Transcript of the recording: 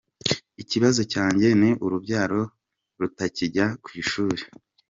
Ikibazo cyanjye ni urubyaro rutakijya ku ishuli.